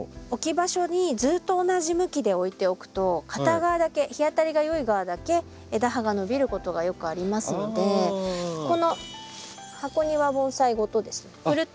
置き場所にずっと同じ向きで置いておくと片側だけ日当たりがよい側だけ枝葉が伸びることがよくありますのでこの箱庭盆栽ごとですね